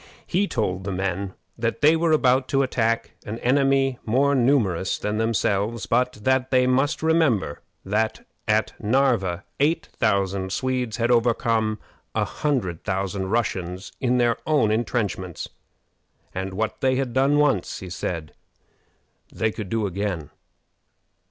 He told the men that they were about to attack an enemy more numerous than themselves, but that they must remember that at Narva eight thousand Swedes had overcome a hundred thousand Russians in their own intrenchments, and what they had done once, he said, they could do again.